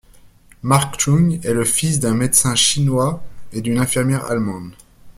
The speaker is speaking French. Mark Chung est le fils d'un médecin chinois et d'une infirmière allemande.